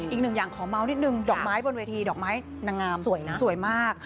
อีกหนึ่งอย่างขอเมาส์นิดนึงดอกไม้บนเวทีดอกไม้นางงามสวยนะสวยมาก